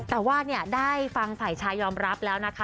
แต่ว่าได้ฟังฝ่ายชายยอมรับแล้วนะคะ